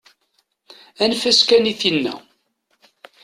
Anef-as kan i tinna.